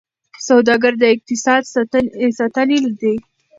سوداګر د اقتصاد ستني دي.